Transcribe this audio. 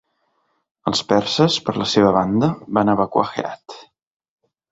Els perses per la seva banda van evacuar Herat.